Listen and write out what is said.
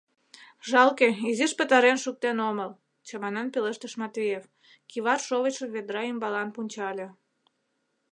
— Жалке, изиш пытарен шуктен омыл, — чаманен пелештыш Матвеев, кӱвар шовычшым ведра ӱмбалан пунчале.